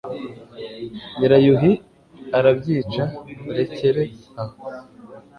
nyirayuhi arabyica, urekere aho